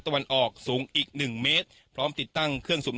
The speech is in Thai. วันออกสูงอีกหนึ่งเมตรพร้อมติดตั้งเครื่องสูบน้ำ